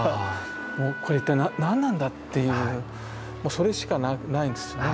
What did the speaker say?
これ一体何なんだっていうそれしかないですね。